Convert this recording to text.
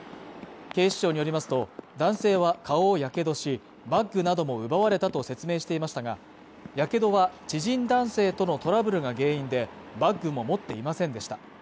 警視庁によりますと男性は顔をやけどしバッグなどを奪われたと説明していましたがやけどは知人男性とのトラブルが原因でバッグも持っていませんでした